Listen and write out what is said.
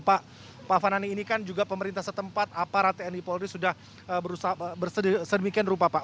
pak fanani ini kan juga pemerintah setempat aparat tni polri sudah berusaha sedemikian rupa pak